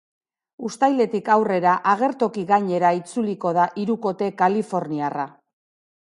Uztailetik aurrera agertoki gainera itzuliko da hirukote kaliforniarra.